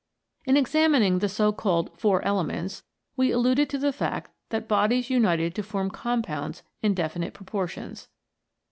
In examining the so called four elements, we alluded to the fact that bodies united to form com pounds in definite proportions.